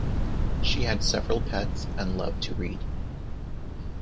She had several pets and loved to read.